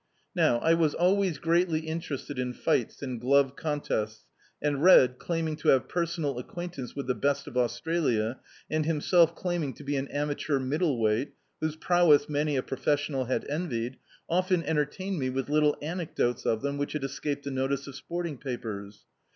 Now, I was always greatly interested in fights and glove con tests, and Red, claiming to have personajl^acquaint ance with the best of Australia, and himself 'Claiming to be an amateur middle weight, whose prowess many a professional had envied, often entertained me with little anecdotes of them, which had escaped the no tice of sporting papers.